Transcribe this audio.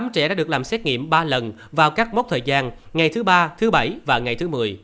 một mươi trẻ đã được làm xét nghiệm ba lần vào các mốc thời gian ngày thứ ba thứ bảy và ngày thứ một mươi